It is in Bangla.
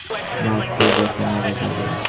মা, প্রবচনে আবার যাবে?